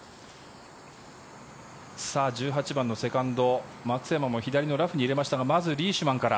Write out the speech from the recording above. １８番のセカンド松山も左のラフに入れましたがまずリーシュマンから。